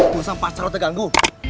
pusat pacar lu terganggu